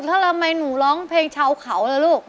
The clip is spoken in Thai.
ถ้าละมายหนูร้องเพลงชาวเขาละลูก